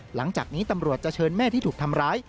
หลังจากนี้ตำรวจจะเชิญแม่ที่ถูกทำร้าย